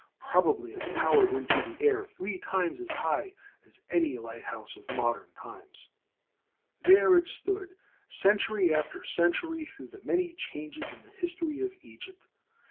Prob ably it towered into the air three times as high as any lighthouse of modern times. There it stood century after century through the many changes in the history of Egypt.